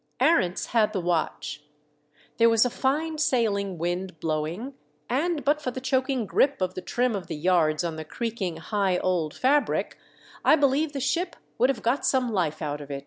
Arents had the watch. There was a fine sailing wind blowing, and but for the choking grip of the trim of the yards on the creaking, high, old fabric, I believe the ship would have got some life out of it.